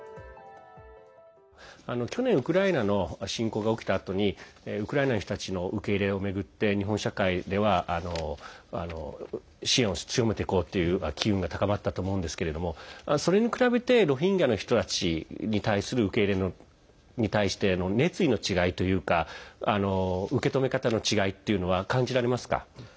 去年、ウクライナの侵攻が起きたあとにウクライナの人たちの受け入れを巡って日本社会では支援を強めていこうっていう機運が高まったと思うんですけれどもそれに比べてロヒンギャの人たちに対する受け入れに対しての熱意の違いというか受け止め方の違いっていうのは感じられますか？